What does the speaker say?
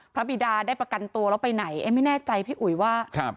บิดาได้ประกันตัวแล้วไปไหนเอ๊ะไม่แน่ใจพี่อุ๋ยว่าครับ